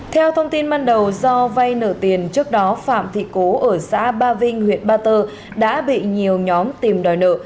theo thông tin ban đầu do vay nợ tiền trước đó phạm thị cố ở xã ba vinh huyện ba tơ đã bị nhiều nhóm tìm đòi nợ